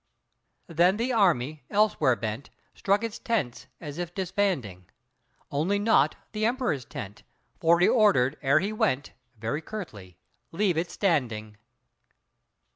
Then the army, elsewhere bent, Struck its tents as if disbanding, Only not the Emperor's tent, For he ordered, ere he went, Very curtly, "Leave it standing!"